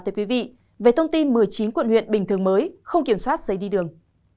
thưa quý vị về thông tin một mươi chín quận huyện bình thường mới không kiểm soát giấy đi đường